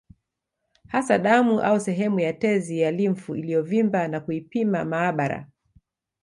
Hasa damu au sehemu ya tezi ya limfu iliyovimba na kuipima maabara